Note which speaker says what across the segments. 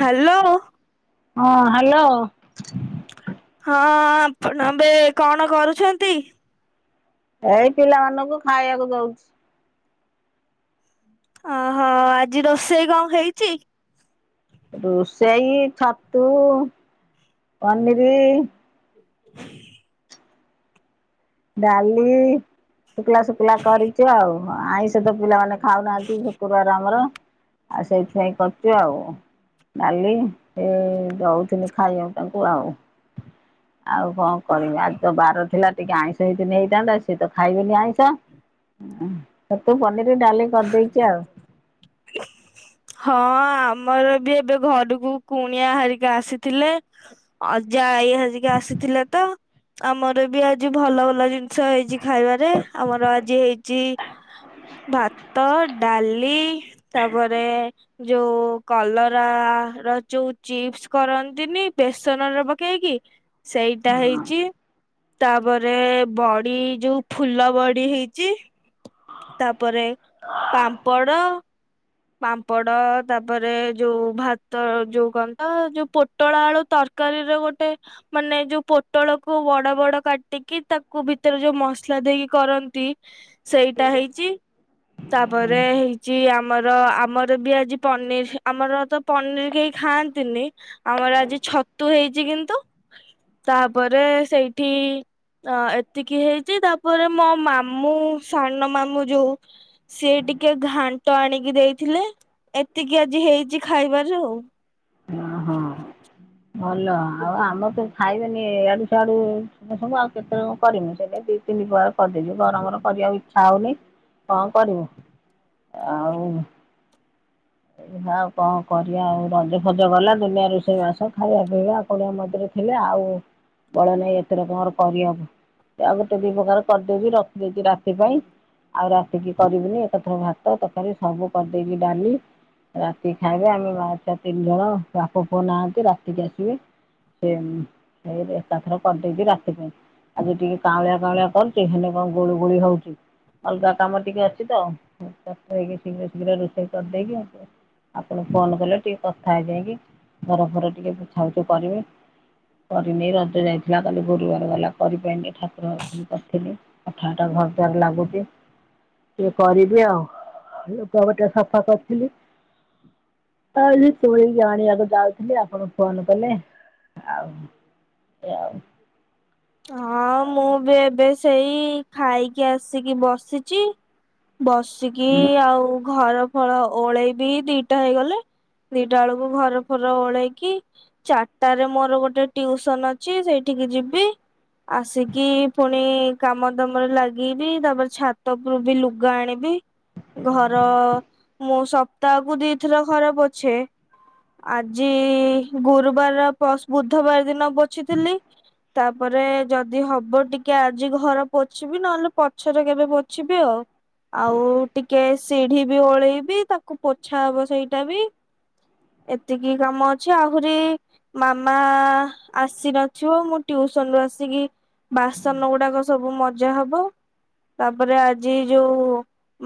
Speaker 1: Hello.
Speaker 2: ହଁ hello.
Speaker 1: ହଁ ଆପଣ ବେ କଣ କରୁଛନ୍ତି?
Speaker 2: ଏଇ ପିଲାମାନଙ୍କୁ ଖାଇବାକୁ ଦଉଛି।
Speaker 1: ଅହ ଆଜି ରୋଷେଇ କଣ ହେଇଛି?
Speaker 2: ରୋଷେଇ ଛତୁ, ପନିରି। ଡାଲି ଶୁଖିଲା ଶୁଖିଲା କରିଛ ଆଉ ଆଇଁଷ ତ ପିଲାମାନେ ଖାଉନାହାନ୍ତି ଶୁକ୍ରୁବାର ଆମର ଆଉ ସେଇଥିପାଇଁ କରୁଛୁ ଆଉ ଡାଲି ଦଉଥିଲି ଖାଇବାକୁ ତାଙ୍କୁ ଆଉ। ଆଉ କଣ କରିବି ଆଜିତ ବାର ଥିଲା ଟିକେ ଆଇଁ ହେଇଥିନେ ହେଇଥିନ୍ତା ସିଏ ତ ଖାଇବେନି ଆଇଁସ ତୁ ବ ଡାଲି କରିଦେଇଚି ଆଉ
Speaker 1: ହଁ ଆମର ବି ଏବେ ଘରକୁ କୁଣିଆ ହାରିକା ଆସିଥିଲେ। ଅଜା ଆଈ ହ ହେରିକା ଆସିଥିଲେ ତ ଆମର ବି ଆଜି ଭଲ ଭଲ ଜିନିଷ ହେଇଚି ଖାଇବାରେ। ଆମର ଆଜି ହେଇଛି ଭାତ, ଡାଲ ଲି ତାପରେ ଯୋଉ କଲରା ର ଯୋଉ ଚିପ୍ସ କରନ୍ତିନି ବେସନରେ ପକେଇକି ସେଇଟା ହେଇଚି। ତାପରେ ବଡ଼ି ଯୋଉ ଫୁଲ ବଡ଼ି ହେଇଚି। ତାପରେ ପାମ୍ପଡ। ପାମ୍ପଡ ତାପରେ ଯୋଉ ଭାତ ଯୋଉ କଣ ତ ଯୋଉ ପୋଟଳ ଆଳୁ ତରକାରୀରେ ଗୋଟେ ମାନେ ଯୋଉ ପୋଟଳକୁ ବଡ ବଡ କାଟିକି ତାକୁ ଭିତରେ ଯୋଉ ମସଲା ଦେଇକି କରନ୍ତି ସେଇଟା ହେଇଚି। ତାପରେ ହେଇଛି ଆ ଆମର ଆମର ବି ଆଜି ପନିର୍ ଆମର ତ ପନିର୍ କେହି ଖାଆନ୍ତିନି ଆମର ଆଜି ଛତୁ ହେଇଚି କିନ୍ତୁ ତାପରେ ସେଇଠି ଏତିକି ହେଇଚି। ତାପରେ ମୋ ମାମୁଁ ସାନ ମାମୁଁ ଯୋଉ ସିଏ ଟିକେ ଘା ଣ୍ଟ ଆଣିକି ଦେଇଥିଲେ। ଏତିକି ଆଜି ହେଇଛି ଖାଇବାରେ ଆଉ।
Speaker 2: ହଁ। ହଁ। ଭଲ ଆଉ। ଆମ ତ କେହି ଖାଇବେନି ଏଇଆଡ଼ୁ ସେଆଡ଼ୁ ସବୁ ଆଉ କେତେବେଳେ କଣ କରିମୁ। ସେଥିପାଇଁ ଦି ତିନି ପ୍ରକାର କରିଦେଇଚି। ଗରମରେ କରିବାକୁ ଇଚ୍ଛା ହଉନେଇ କଣ କରିମୁଁ। ଆଉ ଏହା ଆଉ କଣ କରିବା ଆଉ। ରଜ ଫଜ ଗଲା ଦୁନିଆ ରୋଷେଇ ବାସ ଖାଇବା ପିଇବା କୁଣଆ ମୈତ୍ର ଥିଲେ। ଆଉ ବଳ ନାଇଁ ଏତେ ରକମର କରିବାକୁ। ତାପରେ ଦି ପ୍ରକାର କରିଦେଇଛି ରଖିଦେଇଛି ରାତି ପାଇଁ ଆଉ ରାତି କିି କରିବିନି ଏକାଥରେ ଭାତ ତରକାରୀ ସବୁ କରିଦେଇଛି ଡାଲି ରାତିକି ଖାଇବେ ଆମେ ମାଆ ଛୁଆ ତିନି ଜଣ। ବାପ ପୁଅ ନାହାଁନ୍ତି ରାତିକି ଆସିବେ। ସେଇ ଏକାଥରେ କରିଦେଇଛି ରାତି ପାଇଁ। ଆଜି ଟିକେ କାଉଁଳିଆ କାଉଁଳିଆ କରୁଛି ହେଲେ କଣ ଗୁଳୁଗୁଳି ହଉଚି। ଅଲଗା କାମ ଟିକେ ଅଛି ତ ତାର ହେଇକି ଶୀଘ୍ର ଶୀଘ୍ର ରୋଷେଇ କରିଦେଇକି ଆ ଆପଣ ଫୋନ କଲେ ଟିକେ କଥା ହେଇଯାଇକି ଘର ଫର ଟିକେ ପୋଛାପୁଛି କରିମି। କରିନେଇ ରଜ ଯାଇଥିଲା କାଲି ଗୁରୁବାର ଗଲା କରି ପାଇଲିନି ଠାକୁର ଘର ଖାଲି କରିଥିଲି। ଅଠା ଅଠା ଘର ଦୁଆର ଲାଗୁଛି। ଟିକେ କରିବି ଆଉ ଲୁଗାପଟା ସଫା କରିଥିଲି। କଇଲି ତୁଳିକି ଆଣିବାକୁ ଯାଉଥିଲି ଆପଣ ଫୋନ କଲେ ଆଉ ଏୟା ଆଉ।
Speaker 1: ହଁ ମୁଁ ବି ଏବେ ସେଇ ଖାଇକି ଆସିକି ବସିଚି। ବସିକି ଆଉ ଘର ଘଳ ଓଳେଇବି। ଦିଟା ହେଇଗଲେ ଦିଟା ବେଳକୁ ଘର ଫର ଓଳେଇକି ଚାରିଟାରେ ମୋର ଗୋଟେ ଟିଉସନ ଅଛି ସେଇଠିକି ଯିବି। ଆସିକି ପୁଣି କାମ ଦାମରେ ଲାଗିବି। ତାପରେ ଛାତ ଉପରୁ ବି ଲୁଗା ଆଣିବି। ଘର ମୁଁ ସପ୍ତାହକୁ ଦିଥର ଘରେ ପୋଛେ ଆଜି ଗୁରୁବାର ବୁଧବାର ଦିନ ପୋଛିଥିଲି ତା ତାପରେ ଯଦି ହବ ଟିକେ ଆଜି ଘର ପୋଛିବି ନହେଲେ ପଛରେ କେବେ ପୋଛିବି ଆଉ। ଆଉ ଟିକେ ସିଢି ବି ଓଳେଇବି ତାକୁ ପୋଛା ହବ। ସେଇଟା ବି ଏତିକି କାମ ଅଛି। ଆହୁରି ମାମା ଆସି ନଥିବ ମୁଁ ଟିୟୁ ସନ୍ ରୁ ଆସିକି ବାସନ ଗୁଡାକ ସବୁ ମଜା ହବ। ତାପରେ ଆଜି ଯୋଉ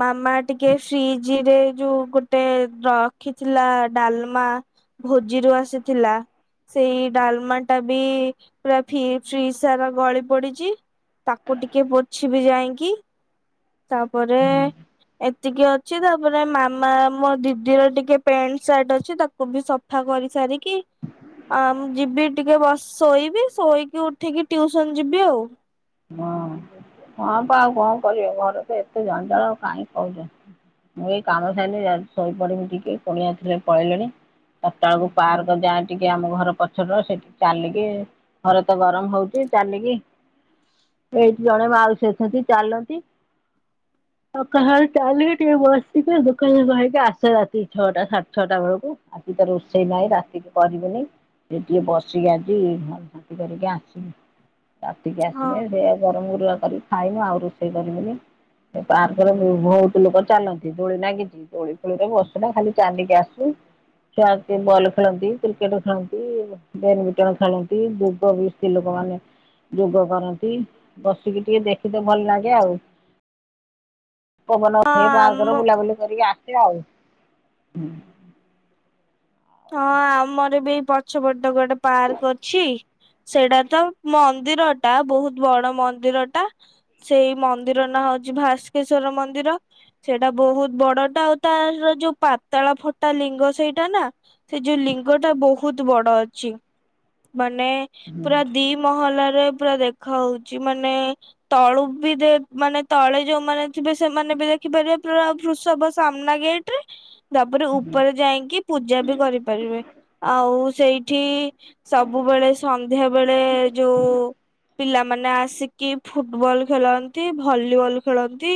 Speaker 1: ମାମା ଟିକେ ଫ୍ରିଜ୍ ରେ ଯୋଉ ଗୋଟେ ରଖିଥିଲା ଡାଲମା ଭୋଜିରୁ ଆସିଥିଲା। ସେଇ ଡାଲମା ଟା ବି ପୁରା ଫି ଫ୍ରିଜ୍ ସାରା ଗଳି ପଡିଛି ତାକୁ ଟିକେ ପୋଛିବି ଯାଇଁକି। ତାପରେ ଏତିକି ଅଛି ତାପରେ ମାମା ମୋ ଦିଦିର ଟିକେ ପ୍ୟାଣ୍ଟ ସାର୍ଟ ଅଛି ତାକୁ ବି ସଫା କରି ସାରିକି ଆ ମୁଁ ଯିବି ଟିକେ ବ ଶୋଇବି ଶୋଇକି ଉଠିକି ଟିୟୁସନ୍ ଯିବି ଆଉ।
Speaker 2: ହଁ ହଁ ପା ଆଉ କଣ କରିବ ଘର ତ ଏତେ ଜଞ୍ଜାଳ ଆଉ କାହିଁ କହୁଛ। ମୁଁ ଏଇ କାମ ସାରିଲି ଯାଉଚି ଶୋଇପଡିବି ଟିକେ କୁଣିଆ ଥିଲେ ପଳେଇଲେଣି। ଚାରିଟା ବେଳକୁ ପାର୍କ ଯାଏ ଟିକେ ଆମ ଘର ପଛର ସେଠିକି ଚାଲିକି ଘରେ ତ ଗରମ ହଉଛି ଚାଲିକି ଏଇଠି ଜଣେ ମାଉସୀ ଅଛନ୍ତି। ଚାଲନ୍ତି ସକାଳୁ ଚାଲିକି ଟିକେ ବସିକି ଦୁଃଖ ସୁଖ ହେଇକି ଆସେ ରାତି ଛଅଟା ସାଢେ ଛଅଟା ବେଳକୁ। ଆଜି ତାର ରୋଷେଇ ନାହିଁ ରାତିକି କରିବିନେଇ ଟିକେ ବସିକି ଆଜି ରୁଟି କରିକି ଆସିବି ରାତି ହେ ସେ
Speaker 1: ହଁ।
Speaker 2: ଗରମ ଗୁରୁଲା କରିବି ଖାଇନୁ ଆଉ ରୋଷେଇ କରିବୁନି। ଏ ପାର୍କରେ ବହୁ ଭଉତୁ ଲୋକ ଚାଲନ୍ତି। ଦୋଳି ନାଗିଛି ଦୋଳି ଫୋଳିରେ ବସୁନା ଖାଲି ଚାଲିକି ଆସୁ। ଛୁଆ ଆସିକି ବଲ ଖେଳନ୍ତି କ୍ରିକେଟ ଖେଳନ୍ତି ବ୍ୟାଡମିଣ୍ଟନ ଖେଳନ୍ତି ଯୁଗ ବି ସ୍ତ୍ରୀ ଲୋକମାନେ ଯୋଗ କର ନ୍ତି। ବସିକି ଟିକେ ଦେଖି ତେ ଭଲ ଲାଗେ ଆଉ। ପବନ
Speaker 1: ହଁ
Speaker 2: ହୁଏ ବାହାଘର
Speaker 1: ଆମ
Speaker 2: ବୁଲାବୁଲି କରିକି ଆ ସେ ଆଉ ହୁଁ।
Speaker 1: ହଁ ଆମର ବି ପଛପ ଟ ଗୋଟେ ପାର୍କ ଅଛି। ସେଇଟା ତ ମନ୍ଦିର ଟା ବହୁତ ବଡ ମନ୍ଦିର ଟା ସେଇ ମନ୍ଦିର ନା ହଉଛି ଭାସ୍କେଶ୍ଵର ମନ୍ଦିର ସେଇଟା ବହୁତ ବଡଟା ଆଉ ତାର ଯୋଉ ପାତାଳ ଫଟା ଲିଙ୍ଗ ସେଇଟା ନା। ସେ ଯୋଉ ଲିଙ୍ଗ ଟା ବହୁତ ବଡ ଅଛି। ମାନେ ପୁରା ଦିମହଲା ପୁରା ଦେଖା ହଉଛି ମାନେ ତଳୁ ବି ଦେ ମାନେ ତଳେ ଯୋଉମାନେ ଥିବେ ସେମାନେ ବି ଦେଖିପାରିବେ ପୁରା ବୃଷଭ ସାମ୍ନା ଗେଟ ରେ। ତାପରେ ଉପରେ ଯାଇକି ପୁ ପୂଜା ବି କରିପାରିବେ ଆଉ ହଉ ସେଇଠି ସବୁବେଳେ ସନ୍ଧ୍ୟା ବେଳେ ଯୋଉ ପିଲାମାନେ ଆସିକି ଫୁଟବଲ ଖେଳନ୍ତି ଭଲିବଲ ଖେଳନ୍ତି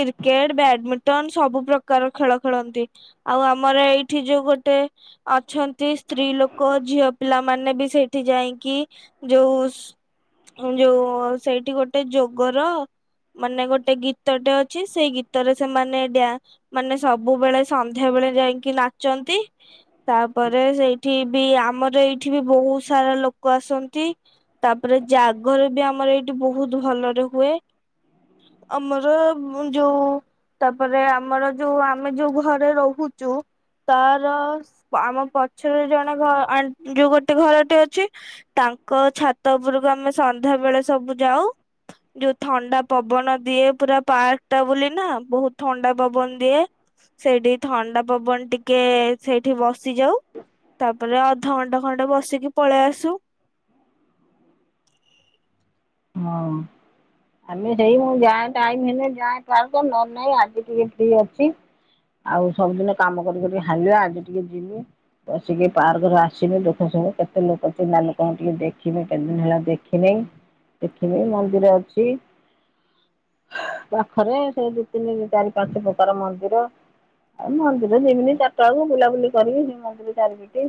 Speaker 1: କ୍ରିକେଟ ବ୍ୟାଡମିଣ୍ଟନ ସବୁ ପ୍ରକାର ଖେଳ ଖେଳନ୍ତି ଆଉ ଆମର ଏଇଠି ଯୋଉ ଗୋଟେ ଗୋଟେ ଅଛନ୍ତି ସ୍ତ୍ରୀ ଲୋକ ଝିଅ ପିଲାମାନେ ବି ସେଇଠି ଯାଇକି ଯୋଉ ଯୋଉ ସେଇଠି ଗୋଟେ ଯୋଗର ମାନେ ଗୋଟେ ଗୀତଟେ ଅଛି ସେଇ ଗୀତରେ ସେମାନେ ଡାନ୍ସ ମାନେ ସବୁବେଳେ ସନ୍ଧ୍ୟା ବେଳେ ଯାଇକି ନାଚନ୍ତି। ତାପରେ ସେଇଠି ବି ଆମର ଏଇଠି ବି ବହୁତ ସାରା ଲୋକ ଆସନ୍ତି ତାପରେ ଜାଗର ବି ଆମର ଏଇଠି ବହୁତ ଭଲରେ ହୁଏ ଆମର ଯୋଉ ତାପରେ ଆମର ଯୋଉ ଆମେ ଯୋଉ ଘରେ ରହୁଛୁ ତା ର ଆମ ପ ପଛରେ ଜଣେ ଘ ଆଣ୍ଟି ଯୋଉ ଗୋଟେ ଘରଟେ ଅଛି ତାଙ୍କ ଛାତ ଉପରକୁ ଆମେ ସନ୍ଧ୍ୟା ବେଳେ ସବୁ ଯାଉ ଯୋଉ ଥଣ୍ଡା ପବନ ଦିଏ ପୁରା ପାର୍କ ବୋଲି ନା ବହୁତ ଥଣ୍ଡା ପବନ ଦିଏ ସେଇଠି ଥଣ୍ଡା ପବନ ଟିକେ ସେଇଠି ବସି ଯାଉ ତାପରେ ଅଧଘଣ୍ଟେ ଖଣ୍ଟେ ବସିକି ପଳେଇ ଆସୁ।
Speaker 2: ହଁ ଆମେ ସେଇ ମୁଁ ଯାଏ ଟାଇମ ହେଲେ ଯାଏ ପାର୍କ ନହେଲେ ନାଇଁ ଆଜି ଟିକେ ଫି ଅଛି ଆଉ ସବୁଦିନ କାମ କରି କରିକି ହାଲିଆ ଆଜି ଟିକେ ଯିବି ବସିକି ପାର୍କରେ ଆସିବି ଦୁଃଖ ସୁଖ କେତେ ଲୋକ ଚିହ୍ନା ଲୋକଙ୍କୁ ଟିକେ ଦେଖିନି କେତେ ଦିନ ହେଲା ଦେଖିନି। ଦେଖିବି ମନ୍ଦିର ଅଛି ପାଖରେ ସେ ଦି ତିନି ଚାରି ପାଞ୍ଚ ପ୍ରକାର ମନ୍ଦିର ଆଉ ମନ୍ଦିର ଯିବିନି ଚାରିଟା ବେଳକୁ ବୁଲାବୁଲି କରିବି ସେ ମନ୍ଦିର ଚାରିପିଠି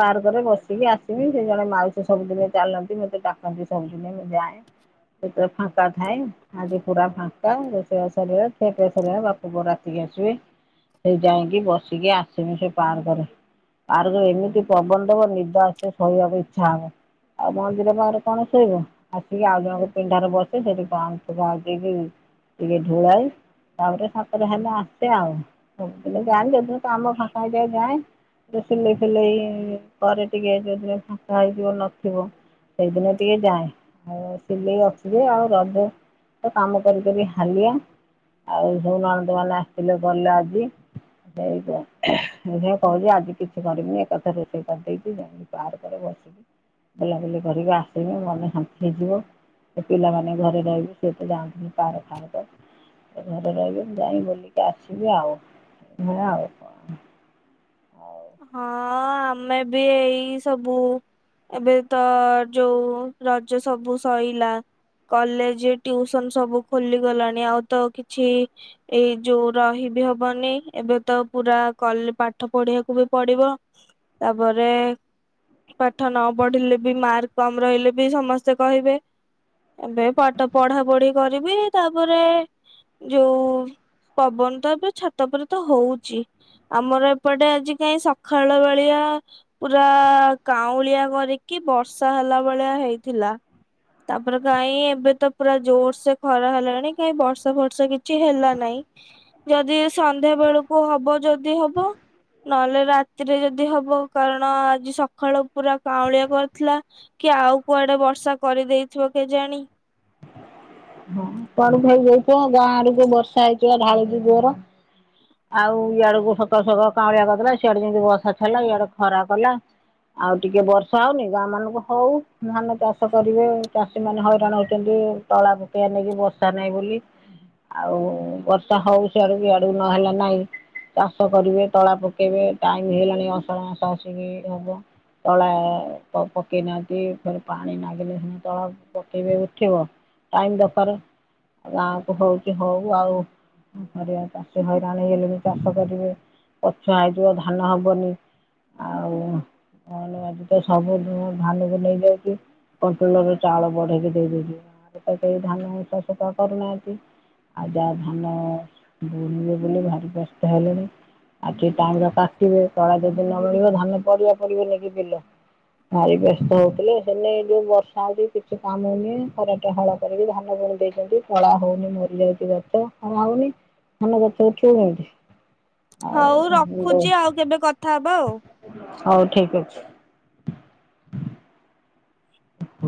Speaker 2: ପାର୍କ ରେ ବସିକି ଆସିବି ସେ ଜଣେ ମାଉସୀ ସବୁଦିନେ ଚାଲନ୍ତି ମତେ ଡାକନ୍ତି ସବୁଦିନେ ମୁଁ ଯାଏ। ସେତେବେଳ ଫାଙ୍କା ଥାଏ ଆଜି ପୁରା ଫାଙ୍କା ରୋଷେଇବାସ ସରିବ, ଖିଆପିଆ ସରିବ, ବାପା ପୁଅ ରାତିକି ଆସିବେ ସେଇ ଯାଇକି ବସିକି ଆସିମି ସେ ପାର୍କରେ ପାର୍କରେ ଏମିତି ପବନଦେବ ନିିବା ଆସିବ ଶୋଇବାକୁ ଇଚ୍ଛା ହବ ଆଉ ମନ୍ଦିର ପାଖରେ କଣ ଶୋଇବ। ଟିକେ ଆଉ ଜଣକ ପିଣ୍ଡାରେ ବସେ ସେଠିକି ପହଞ୍ଚି ପହଞ୍ଚି କି ସେଠି ଢୋଳାଏ ତାପରେ ସାତଟା ହେଲେ ଆସେ ଆଉ ଯାଏ ଯଦିନ କାମ ଫାଙ୍କା ହେଇ ଯାଏ ସିଲେଇ ଫିଲେଇ କରେ ଟିକେ ଯୋଉଦିନ ଫାଙ୍କା ହେଇଯିବ ନଥିବ। ନଥିବ ସେଇଦିନ ଟିକେ ଯାଏ। ଆଉ ସିଲେଇ ଅଛି ଯେ ଆଉ ରଜ କାମ କରି କରି ହାଲିଆ ଆଉ ଯୋଉ ନନନ୍ଦ ମାନେ ଆସି ଥିଲେ ଗଲେ ଆଜି। ସେଇଟା ଦେଖିବା ଆଜି କହୁଛି କିଛି କରିବିନି ଏକା ଥରେ ରୋଷେଇ କରିଦେଇଛି ଯାଇକି ପାର୍କରେ ବସିକି ବୁଲାବୁଲି କରିବି ଆସିବି ମନ ଶାନ୍ତି। ହେଇଥିବ ସେ ପିଲାମାନେ ଘରେ ରହିବେ ସେ ତ ଯାଅନ୍ତିନି ପାର୍କ ଫାର୍କ ଘରେ ରହିବେ ଯାଇ ବୁଲିକି ଆସିବି ଆଉ ହେୟା ଆଉ କଣ। ଆଉ
Speaker 1: ହଁ ଆମେ ବି ଏଇ ସବୁ ଏବେ ତ ଯୋଉ ରଜ ସବୁ ସରିଲା କଲେଜ ଟ୍ୟୁସନ ସବୁ ଖୋଲିଗଲାଣି ଆଉ ତ କିଛି ଏଇ ଯୋଉ ରହି ବିି ହବନି ଏବେ ତ ପୁରା କଲେ ପାଠ ପଢିବାକୁ। ବି ପଡିବ ତାପରେ ପାଠ ନପଢିଲେବି ମାର୍କ କମ୍ ରହିଲେବି ସମସ୍ତେ କହିବେ ଏବେ ପଢା ପଢି କରିବି ତାପରେ ଯୋଉ ପବନ ତ ଏବେ ଛାତ ପରେ ତ ହଉଛି ଆମର ଏପଟେ ଆଜି କାହିଁ ସଖାଳ ବେଳିଆ ପୁରା କାଉଁଳିଆକରିକି ବର୍ଷା ହେଲା ଭଳିଆ ହେଇଥିଲା ତାପରେ କାହିଁ ଏବେ ତ ପୁରା ଜୋରସେ ଖରା ହେଲାଣି କାହିଁ ବର୍ଷା ଫର୍ଷା କିଛି ହେଲା ନାଇଁ ଯଦିସନ୍ଧ୍ୟା ବେଳକୁ ହବ ଯଦି ହବ। ନହେଲେ ରାତିରେ ଯଦି ହବ କାରଣ ଆଜି ସକାଳୁ ପୁରା କାଉାଉଁଳିଆ କରିଥିଲା କି ଆଉ କୁଆଡେ ବର୍ଷା କରିଦେଇଥିବ କେଜାଣି।
Speaker 2: ପାଣି ହେଇଯାଇ ଗାଁ ଆଡକୁ ବର୍ଷା ହେଇଥିଲା ଢାଳୁଛି ଜୋର ଆଉ ଇଆଡକୁ ସକାଳୁ ସକାଳୁ କାଉଁଳିଆ କରିଦେଲା ସିଆଡେ ଯେମତି ବର୍ଷା ଛାଡ଼ିଲା ଇଆଡେ ଖରା କଲା ଆଉ ଟିକେ ବର୍ଷା ହଉନି, ଗାଁ ମାନଙ୍କୁ ହଉ ଧାନ ଚାଷ କରିବେ ଚାଷୀମାନେ ହଇରାଣ ହଉଛନ୍ତି ଟଳା ପକେଇଆ ନେଇକି। ବର୍ଷା ନାହିଁ ବୋଲି ଆଉ ବର୍ଷା ହଉ ସିଆଡୁ ବି ଇଆଡୁ ନହେଲା ନାଇଁ ଚାଷ କରିବେ ତଳା ପକେଇବେ ଟାଇମ ହେଇଲାଣି ଆଷାଢ଼ ମାସ ଆସିକି ହବ ତଳା ପକେଇନାହାନ୍ତି ଫରେ ପାଣି ନାଗିଲେ ତଳା ପକେଇବେ ଉଠିବ ଟାଇମ ଦରକାର। ଗାଁକୁ ହଉଛି ହଉ ଆଉ କଣ କରିବା ଚାଷୀ ହଇରାଣ ହେଇଗଲେଣି ବି ଚାଷ କରିବେ ପଛୁଆ ହେଇଯିବ ଧାନ ହବନି ଆଉ ତ ସବୁ ଧାନକୁ ନେଇଯାଉଛି କଣ୍ଟୋଲରେ ଚାଉଳ ବଢେଇକି ଦେଇଦଉଛି ଗାଁରେ ତ କେହି ଧାନ କରୁନାହାନ୍ତି ଆଉ ଯାହା ଧାନ ବୁଣିବେ ବୁଲି ଭାରି ବ୍ୟସ୍ତ ହେଲେଣି ଆଜିିକ ଟାଣି ଟା କାଟିବେ କଳା ଯଦି ନ ମିଳିବ ଧାନ ପରିବା ପଡିବନକି ବିଲ ଭାରି ବ୍ୟସ୍ତ ହଉଥିଲେ ସେନେଇ ଯୋଉ ବର୍ଷା ହେଉଛି କିଛି କାମ ହଉନି ଖରାଟା ହଳ କରିକି ଧାନ ବୁଣି ଦେଇକି। ଯଦି କଳା ହଉନି ମରିଯାଉଛି ଯଦି ଗଛ ଖରା ହଉନି ଧାନ ଗଛ ଉଠିବ କେମିତି?
Speaker 1: ହଉ
Speaker 2: ଆଉ
Speaker 1: ରଖୁଛି ଆଉ କେବେ କଥା ହବା ଆଉ।
Speaker 2: ହଉ ଠିକ ଅଛି। ହଁ।